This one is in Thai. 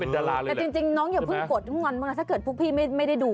แต่จริงน้องอย่าเพิ่งกดถ้าเกิดพวกพี่ไม่ได้ดู